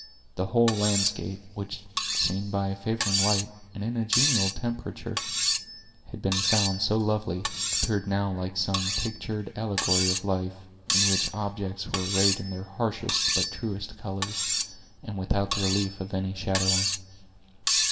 The whole landscape, which, seen by a favoring light, and in a genial temperature, had been found so lovely, appeared now like some pictured allegory of life, in which objects were arrayed in their harshest but truest colors, and without the relief of any shadowing.